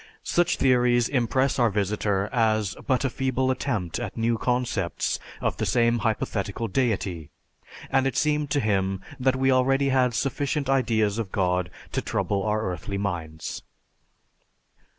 Such theories impress our visitor as but a feeble attempt at new concepts of the same hypothetical deity, and it seemed to him that we already had sufficient ideas of God to trouble our earthly minds.